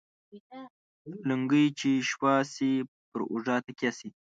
لنگۍ چې شوه سي ، پر اوږو تکيه سي.